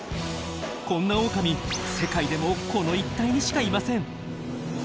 こんなオオカミ世界でもこの一帯にしかいません！